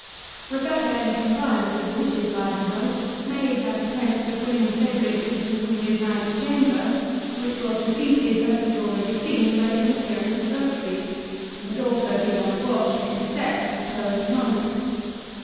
Rebecca in compliance with the wishes of Ivanhoe, made that attempt to bring Cedric into the wounded Knight's chamber, which was defeated as we have already seen by the interference of Urfried, who had also been on the watch to intercept the supposed monk.